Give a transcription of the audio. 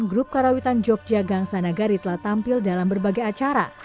grup karawitan jogja gang sanagari telah tampil dalam berbagai acara